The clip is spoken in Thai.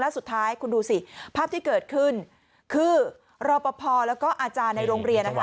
สุดท้ายคุณดูสิภาพที่เกิดขึ้นคือรอปภแล้วก็อาจารย์ในโรงเรียนนะคะ